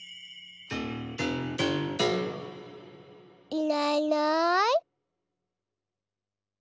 いないいない。